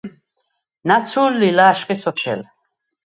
ნაცუ̄ლ ლი ლა̄შხი სოფელ.